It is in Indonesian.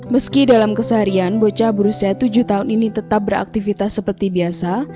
meski dalam keseharian bocah berusia tujuh tahun ini tetap beraktivitas seperti biasa